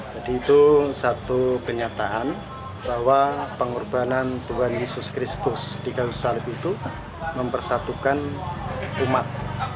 jadi itu satu kenyataan bahwa pengorbanan tuhan yesus kristus di kayu salib itu mempersatukan umat